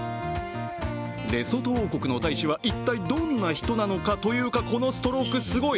レソト王国の大使は一体、どんな人なんでしょうかというかこのストロークすごい！